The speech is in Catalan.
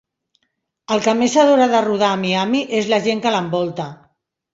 El que més adora de rodar a Miami és la gent que l'envolta.